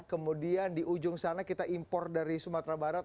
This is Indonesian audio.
kemudian di ujung sana kita impor dari sumatera barat